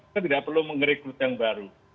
kita tidak perlu merekrut yang baru